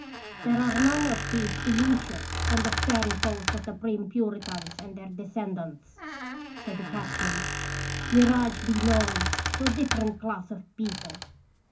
" There are none of these illusions on the stern coast of the prim Puritans and their descendants," said the captain. " Mirage be longs to a different class of people."